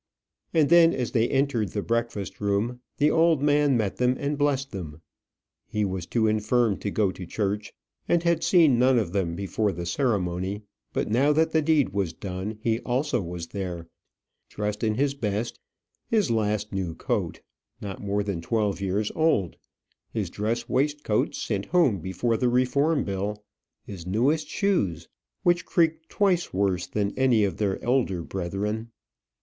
And then, as they entered the breakfast room, the old man met them, and blessed them. He was too infirm to go to church, and had seen none of them before the ceremony; but now that the deed was done, he also was there, dressed in his best, his last new coat, not more than twelve years old, his dress waistcoat sent home before the Reform Bill, his newest shoes, which creaked twice worse than any of their older brethren.